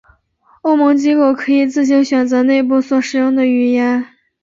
欧盟机构可以自行选择内部所使用的语言。